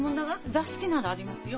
座敷ならありますよ。